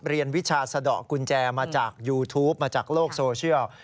วิชาสะดอกกุญแจมาจากยูทูปมาจากโลกโซเชียล